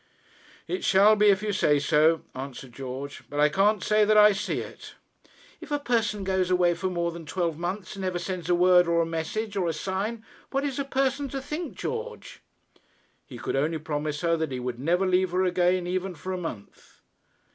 'It shall be if you say so,' answered George; 'but I can't say that I see it.' 'If a person goes away for more than twelve months and never sends a word or a message or a sign, what is a person to think, George?' He could only promise her that he would never leave her again even for a month.